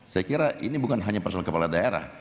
saya kira ini bukan hanya persoalan kepala daerah